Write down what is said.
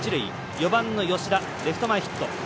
４番の吉田レフト前ヒット。